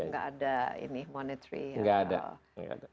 gak ada ini monetary